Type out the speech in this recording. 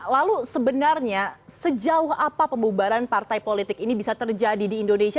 lalu sebenarnya sejauh apa pembubaran partai politik ini bisa terjadi di indonesia